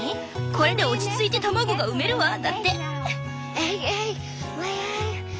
「これで落ち着いて卵が産めるわ」だって。